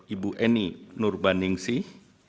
ibu eni nur banningsih